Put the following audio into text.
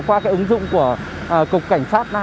qua ứng dụng của cục cảnh sát